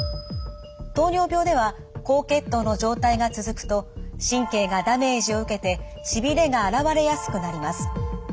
糖尿病では高血糖の状態が続くと神経がダメージを受けてしびれが現れやすくなります。